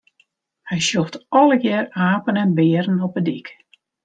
Hy sjocht allegear apen en bearen op 'e dyk.